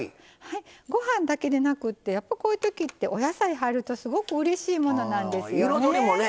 ご飯だけでなくってこういうときってお野菜、入るとすごくうれしいものなんですよね。